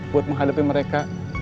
buat menghadapi mereka